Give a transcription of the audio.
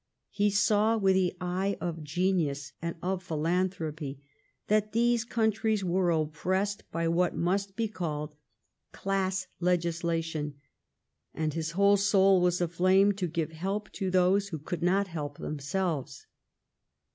He saw with the eye of genius and of philanthropy that these countries were oppressed by what must be called class legisla tion, and his whole soul was aflame to give help to those who could not help themselves.